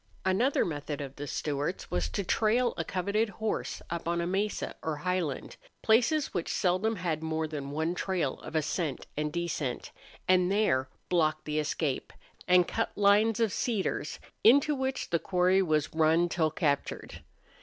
Another method of the Stewarts was to trail a coveted horse up on a mesa or highland, places which seldom had more than one trail of ascent and descent, and there block the escape, and cut lines of cedars, into which the quarry was run till captured.